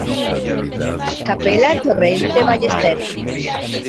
Capela Torrente Ballester.